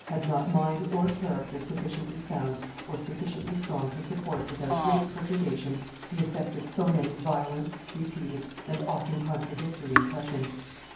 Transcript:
had not mind or character sufficiently sound or sufficiently strong to support, without great perturbation, the effect of so many violent, repeated, and often contradictory impressions.